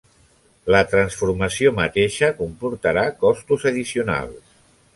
La transformació mateixa comportarà costos addicionals.